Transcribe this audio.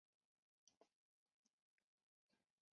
圆货贝扁裸藻为裸藻科扁裸藻属下的一个种。